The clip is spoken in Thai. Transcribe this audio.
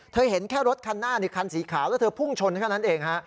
เห็นแค่รถคันหน้านี่คันสีขาวแล้วเธอพุ่งชนแค่นั้นเองฮะ